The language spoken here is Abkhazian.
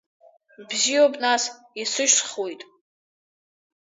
Бзиоуп нас, исышьсхуеит.